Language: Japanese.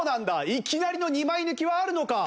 いきなりの２枚抜きはあるのか！？